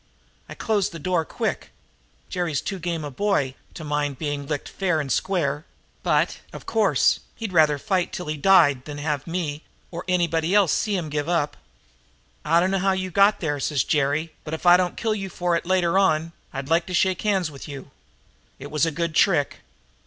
I closed the door quick. Jerry's too game a boy to mind being licked fair and square, but, of course, he'd rather fight till he died than have me or anybody else see him give up. "'I dunno how you got there,' says Jerry, 'but, if I don't kill you for this later on, I'd like to shake hands with you. It was a good trick.'